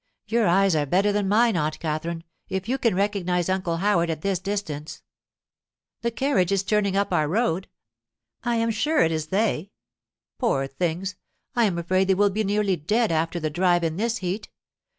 'Your eyes are better than mine, Aunt Katherine, if you can recognize Uncle Howard at this distance.' 'The carriage is turning up our road. I am sure it is they. Poor things! I am afraid they will be nearly dead after the drive in this heat.